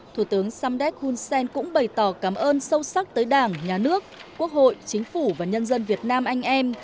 thủ tướng samdet hunsen cũng bày tỏ cảm ơn sâu sắc tới đảng nhà nước quốc hội chính phủ và nhân dân việt nam anh em